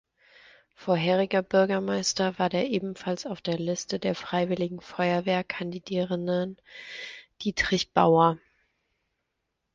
Vorheriger Bürgermeister war der ebenfalls auf der Liste der Freiwilligen Feuerwehr kandidierenden Dietrich Bauer.